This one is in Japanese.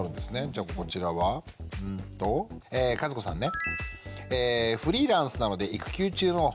じゃあこちらはうんとＫＡＺＵＫＯさんね。